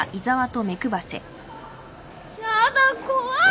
やだ怖い。